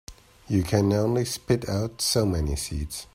You can only spit out so many seeds.